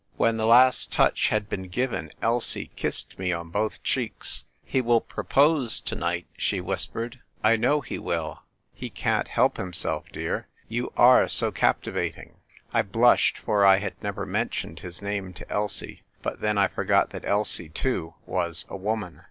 When the last touch had been given Elsie kissed me on both cheeks. " He will propose to nigiit," she whispered. " I know he will : he can't help himself, dear. You are so captivating!" I blushed, for I had never mentioned his name to Elsie; but then, I forgot that Elsie too was a woman.